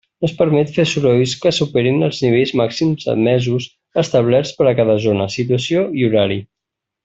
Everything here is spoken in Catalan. No es permet fer sorolls que superin els nivells màxims admesos establerts per a cada zona, situació i horari.